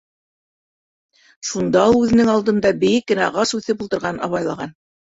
Шунда ул үҙенең алдында бейек кенә ағас үҫеп ултырғанын абайлаған.